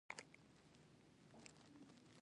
مګر دا چې ته د هغه په راپورته کولو مرسته ورسره کوې.